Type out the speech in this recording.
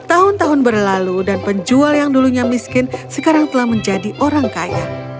tahun tahun berlalu dan penjual yang dulunya miskin sekarang telah menjadi orang kaya